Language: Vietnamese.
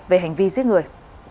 về hành vi giết người